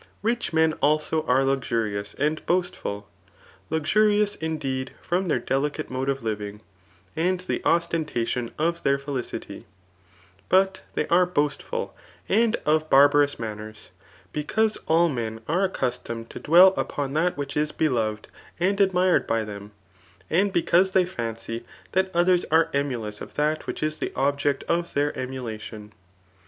Rich men also are luxurious and boastful; luxurious, indeed, from their delicate mode of livmg, and the ostentation of their felicity ; but they are boastful and of barbarous manners, because all men are accustomed to dwell upon that which is beloved 114 THIS ART OF BOOX IX. aod admired by them; and becausethey £uicy that others are emulous of that which is the object of thdr erAula tioD.